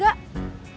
tidak ada apa apa